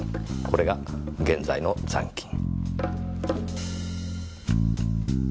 これが現在の残金。